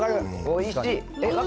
おいしい。